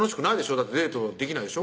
だってデートできないでしょ？